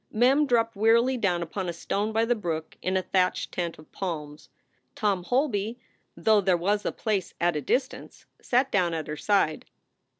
Mem dropped wearily down upon a stone by the brook in a thatched tent of palms. Tom Holby, though there was a place at a distance, sat down at her side.